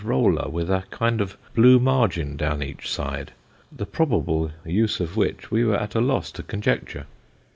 1 3 roller, with a kind of blue margin down each side, the probable use of which, we were at a loss to conjecture.